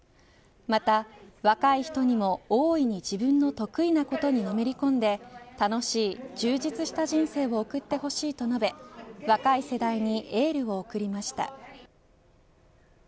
また、若い人にも大いに自分の得意なことにのめり込んで充実した人生を送ってほしいと述べ若い世代にエールを送りました。